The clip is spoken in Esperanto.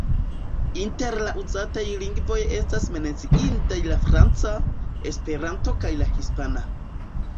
Inter la uzataj lingvoj estas menciindaj la franca, Esperanto kaj la hispana.